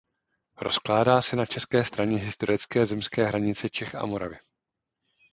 Rozkládá se na české straně historické zemské hranice Čech a Moravy.